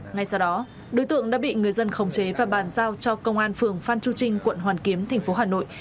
ngay sau đó đối tượng đã bị người dân khống chế và bàn giao cho công an phường phan chu trinh quận hoàn kiếm thành phố hà nội